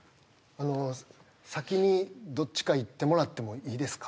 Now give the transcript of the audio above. あの先にどっちか言ってもらってもいいですか？